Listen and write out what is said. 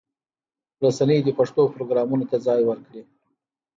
رسنۍ دې پښتو پروګرامونو ته ځای ورکړي.